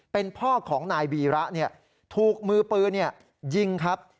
เป็นพ่อของนายวีระถูกมือปืนยิงครับ